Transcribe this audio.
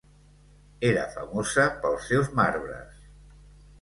Era famosa pels seus marbres.